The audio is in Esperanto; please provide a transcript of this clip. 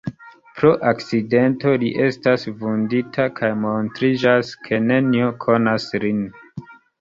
Pro akcidento li estas vundita, kaj montriĝas, ke neniu konas lin.